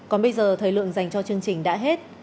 còn bây giờ thời lượng dành cho chương trình đã hết